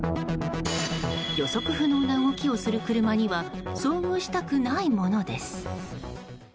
予測不能な動きをする車には遭遇したくないものです。